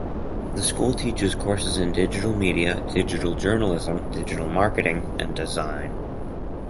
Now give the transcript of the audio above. The school teaches courses in digital media, digital journalism, digital marketing and design.